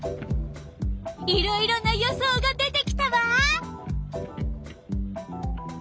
いろいろな予想が出てきたわ！